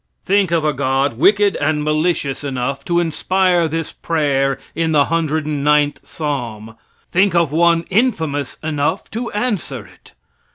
Think of a God wicked and malicious enough to inspire this prayer in the 109th Psalm! Think of one infamous enough to answer it!